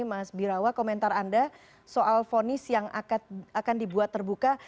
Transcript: mas birawa komentar anda soal fonis yang akan dibuat terbuka